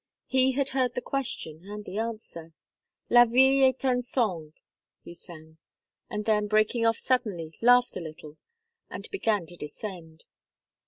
He had heard the question and the answer. "'La vie est un songe,'" he sang, and then, breaking off suddenly, laughed a little and began to descend.